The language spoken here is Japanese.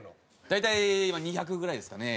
大体今２００ぐらいですかね。